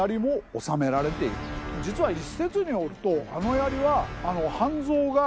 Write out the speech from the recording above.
実は一説によるとあのやりは。